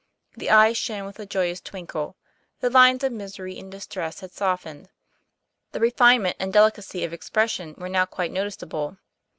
The eyes shone with a joyous twinkle; the lines of misery and distress had softened; the refinement and delicacy of expression were now quite noticeable.